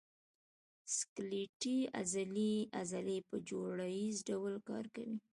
سکلیټي عضلې په جوړه ییز ډول کار کوي.